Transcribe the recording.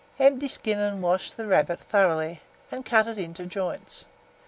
Empty, skin, and wash the rabbit thoroughly, and cut it into joints.